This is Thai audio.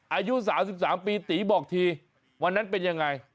อายุ๓๓ปีตีบอกทีวันนั้นเป็นยังไง